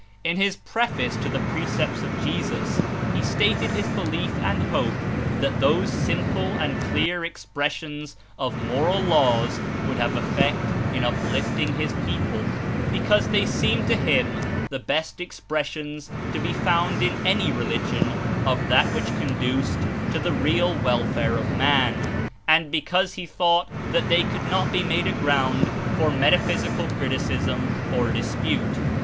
In his preface to the "Precepts of Jesus," he stated his belief and hope that those simple and clear expressions of moral laws would have effect in uplifting his people, because they seemed to him the best expressions to be found in any religion of that which conduced to the real welfare of man, and because he thought that they could not be made a ground for metaphysical criticism or dispute.